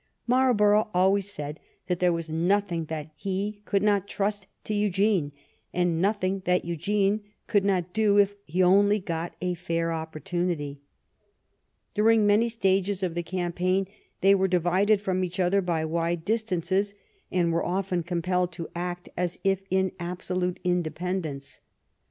Marlborough always said that there was nothing that he could not trust to Eugene, and nothing that Eugene could not do if he only got a fair opportunity. During many stages of the campaign they were di vided from each other by wide distances and were often compelled to act as if in absolute independence.